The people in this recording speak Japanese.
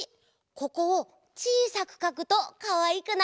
ここをちいさくかくとかわいくなるよ。